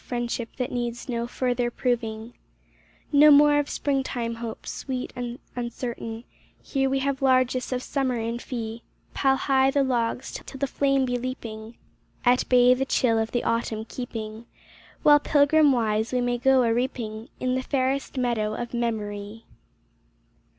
Friendship that needs no further proving; 158 W14 7 No more of springtime hopes, sweet and uncertain, Here we have largess of summer in fee — Pile high the logs till the flame be leaping, At bay the chill of the autumn keeping, While pilgrim wise, we may go a reaping In the fairest meadow of memory!